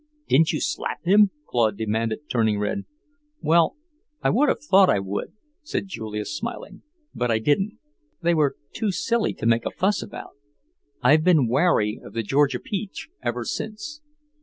"Didn't you slap him?" Claude demanded, turning red. "Well, I would have thought I would," said Julius smiling, "but I didn't. They were too silly to make a fuss about. I've been wary of the Georgia peach ever since.